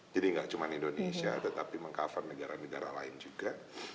jadi gak cuma indonesia tetapi meng cover negara negara lain juga